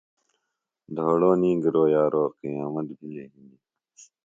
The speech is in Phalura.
دھوڑو نیگِرو یارو قیامت بھِلیۡ ہِنیۡ۔